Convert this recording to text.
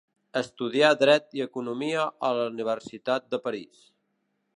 Estudià Dret i Economia a la Universitat de París.